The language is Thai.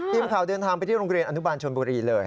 พี่หมาข่าวเดินทางไปที่โรงเรียนอชนบุรีเลย